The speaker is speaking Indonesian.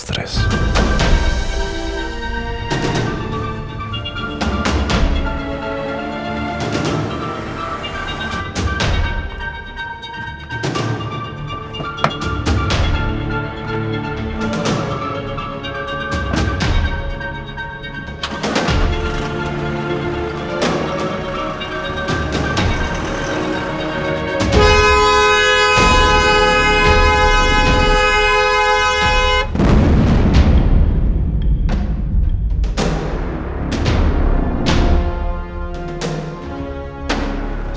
sekarang sudah di bandara